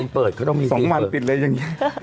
เปิดคมันติดเลยอย่างนี้